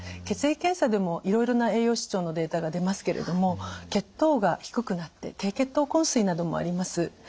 血液検査でもいろいろな栄養失調のデータが出ますけれども血糖が低くなって低血糖こん睡などもあります。